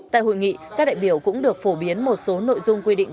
tại hội nghị các đại biểu cũng được phổ biến một số nội dung quy định